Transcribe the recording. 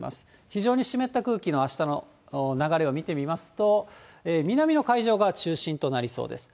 非常に湿った空気のあしたの流れを見てみますと、南の海上が中心となりそうです。